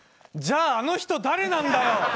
じゃああの人誰なんだよ！